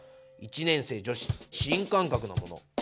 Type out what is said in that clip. １年生女子新感覚のもの。